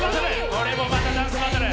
これもまたダンスバトル。